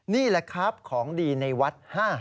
นี่แหละครับของดีในวัด๕๐